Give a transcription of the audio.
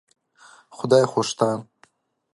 خدای خو شته.